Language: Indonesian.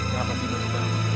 kenapa sih bapak